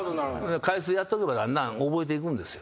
回数やっとけばだんだん覚えていくんですよ。